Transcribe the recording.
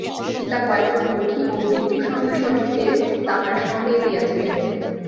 পিতা কয়েকজন রক্ষী ও বৃদ্ধসভাসদকে তাঁহার সঙ্গে দিয়াছিলেন।